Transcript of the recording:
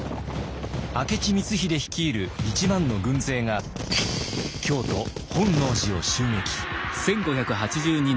明智光秀率いる１万の軍勢が京都・本能寺を襲撃。